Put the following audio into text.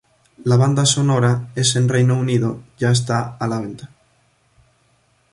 La banda sonora es en Reino Unido ya esta a la venta.